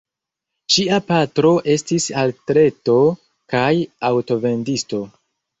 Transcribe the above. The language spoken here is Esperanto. Ŝia patro estis atleto kaj aŭtovendisto.